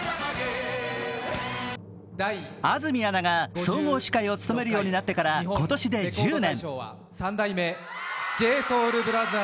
安住アナが総合司会を務めるようになってから今年で１０年。